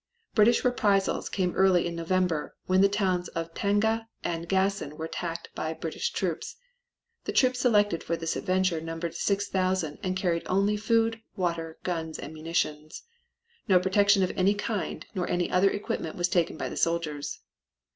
British reprisals came early in November, when the towns of Tanga and Gassin were attacked by British troops. The troops selected for this adventure numbered 6,000 and carried only food, water, guns and munitions. No protection of any kind nor any other equipment was taken by the soldiers.